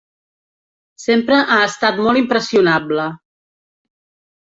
Sempre ha estat molt impressionable.